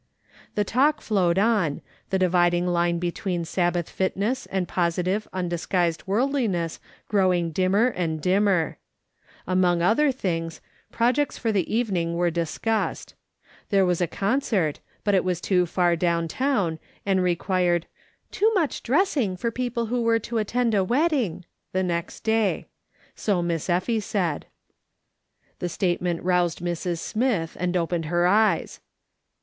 The talk flowed on, the dividing line between Sabbath fitness and positive, undisguised worldliness growing dimmer and dimmer. Among (ither things, projects for the evening were discussed. There was a concert, but it was so far down town, and required " too much dressing for people who were to attend a wedding" the next day. So ^liss Effie said. The statement roused Mrs. Smith, and opened her eyes.